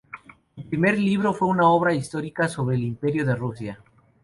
Su primer libro fue una obra histórica sobre el imperio de Rusia.